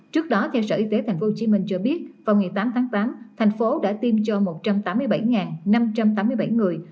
trước đó theo sở y tế thành phố hồ chí minh cho biết vào ngày tám tháng tám thành phố đã tiêm cho một trăm tám mươi bảy năm trăm tám mươi bảy người